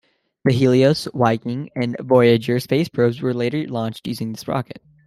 The Helios, Viking and Voyager space probes were later launched using this rocket.